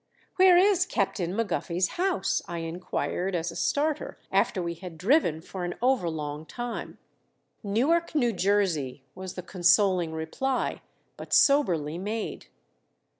"Where is Captain Maguffy's house?" I inquired as a starter, after we had driven for an overlong time. "Newark, New Jersey," was the consoling reply, but soberly made.